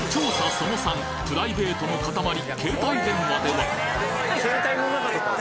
その③プライベートの塊うん。